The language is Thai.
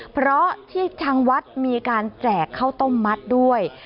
เพราะที่ทางวัดมีการแจกข้าวต้มมัดด้วย